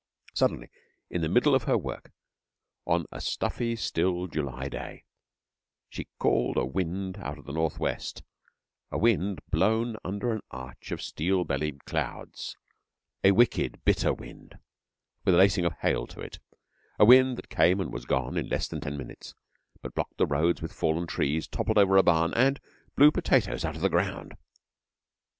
Suddenly, in the middle of her work, on a stuffy still July day, she called a wind out of the Northwest, a wind blown under an arch of steel bellied clouds, a wicked bitter wind with a lacing of hail to it, a wind that came and was gone in less than ten minutes, but blocked the roads with fallen trees, toppled over a barn, and blew potatoes out of the ground!